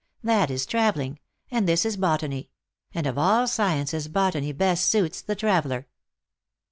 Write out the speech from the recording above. That is traveling, and this is botany; and of all sciences botany best suits the traveler.